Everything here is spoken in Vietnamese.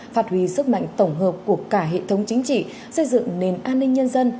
phát huy sức mạnh tổng hợp của cả hệ thống chính trị xây dựng nền an ninh nhân dân